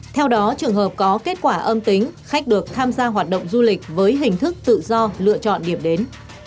theo đó trường hợp có kết quả âm tính khách được tham gia hoạt động du lịch với hình thức tự do lựa chọn điểm đến